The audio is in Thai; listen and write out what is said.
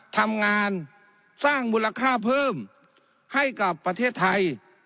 ทำงานสร้างมูลค่าเพิ่มให้กับประเทศไทย